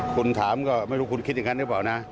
คุณถามก็ไม่รู้คุณคิดอย่างนั้นหรือเปล่านะ